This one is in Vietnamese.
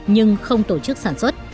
nhưng không tổ chức sản xuất